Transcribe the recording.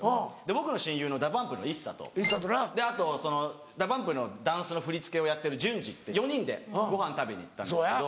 僕の親友のＤＡＰＵＭＰのＩＳＳＡとあとＤＡＰＵＭＰのダンスの振り付けをやってるＪＵＮＪＩって４人でごはん食べに行ったんですけど。